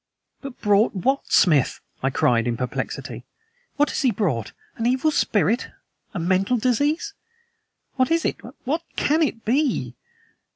"But brought what, Smith?" I cried, in perplexity. "What has he brought? An evil spirit? A mental disease? What is it? What CAN it be?"